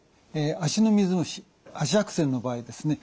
足の水虫足白癬の場合ですね